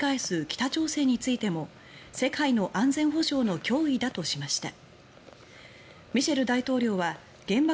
北朝鮮についても世界の安全保障の脅威だとしました。